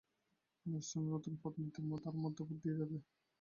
লন্সেস্টনে নতুন পদ নিতে, তারা মধ্যপথ দিয়ে যাবে।